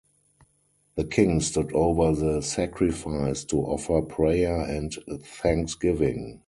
The king stood over the sacrifice to offer prayer and thanksgiving.